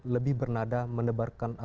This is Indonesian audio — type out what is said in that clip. lebih bernada menebarkan